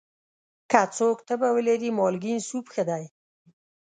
که څوک تبه ولري، مالګین سوپ ښه دی.